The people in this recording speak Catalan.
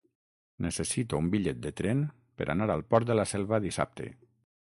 Necessito un bitllet de tren per anar al Port de la Selva dissabte.